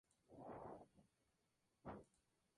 Hasta un total de seis veces se salvó de ser destruido.